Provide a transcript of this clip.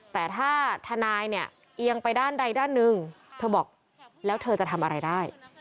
แต่ถ้าทนายเนี่ยเอียงไปด้านใดด้านหนึ่งเธอบอกแล้วเธอจะทำอะไรได้